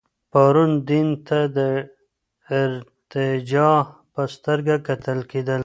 پرون دين ته د ارتجاع په سترګه کتل کېدل.